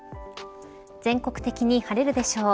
全国的に晴れるでしょう。